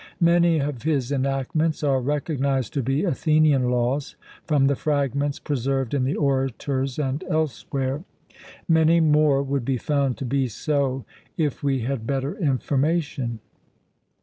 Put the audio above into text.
Many of his enactments are recognized to be Athenian laws from the fragments preserved in the Orators and elsewhere: many more would be found to be so if we had better information.